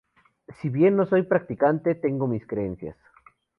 Si bien no soy practicante, tengo mis creencias".